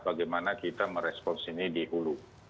bagaimana kita merespons ini di hulu